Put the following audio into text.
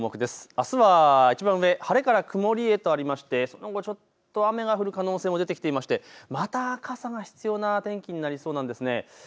あすはいちばん上晴れから曇りへとありましてその後、ちょっと雨が降る可能性も出てきていまして、また傘が必要な天気になりそうなんですね。